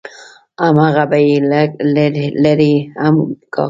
همغه به يې لرې هم کا.